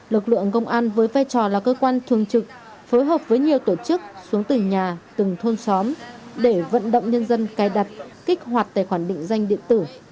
lực lượng công an với vai trò là cơ quan thường trực phối hợp với nhiều tổ chức xuống từng nhà từng thôn xóm để vận động nhân dân cài đặt kích hoạt tài khoản định danh điện tử